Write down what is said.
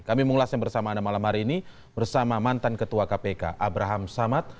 kami mengulasnya bersama anda malam hari ini bersama mantan ketua kpk abraham samad